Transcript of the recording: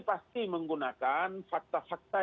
pasti menggunakan fakta fakta